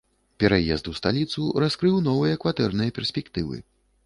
Пераезд у сталіцу раскрыў новыя кватэрныя перспектывы.